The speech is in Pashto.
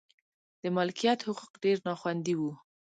د مالکیت حقوق ډېر نا خوندي و.